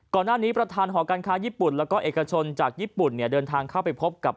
ก่อนหน้านี้ประธานหอการค้าญี่ปุ่นแล้วก็เอกชนจากญี่ปุ่นเนี่ยเดินทางเข้าไปพบกับ